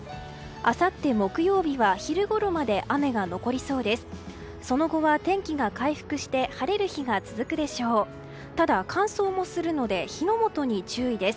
あさって木曜日は昼ごろまで雨が残りそうです。